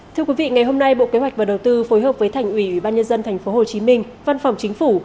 thưa quý vị ngày hôm nay bộ kế hoạch và đầu tư phối hợp với thành ủy ủy ban nhân dân tp hcm văn phòng chính phủ